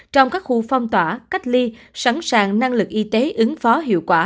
trong các khu phong tỏa cách ly sẵn sàng năng lực y tế ứng phó hiệu quả